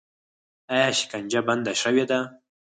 آیا شکنجه بنده شوې ده؟